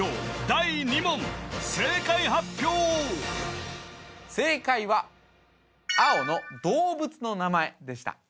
第２問正解発表正解は青の動物の名前でした